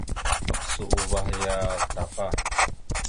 Maɓəsa uvah ya tapa.